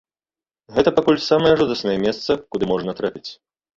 Гэта пакуль самае жудаснае месца, куды можна трапіць.